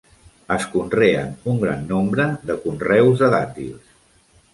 Es conreen un gran nombre de conreus de dàtils.